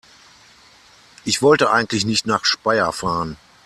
Ich wollte eigentlich nicht nach Speyer fahren